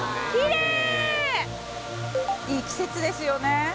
いい季節ですよね